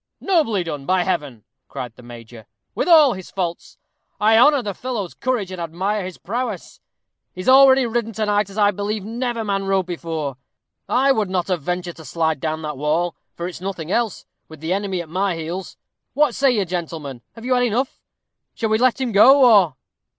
"Nobly done, by Heaven!" cried the major. "With all his faults, I honor the fellow's courage and admire his prowess. He's already ridden to night as I believe never man rode before. I would not have ventured to slide down that wall, for it's nothing else, with the enemy at my heels. What say you, gentlemen, have you had enough? Shall we let him go, or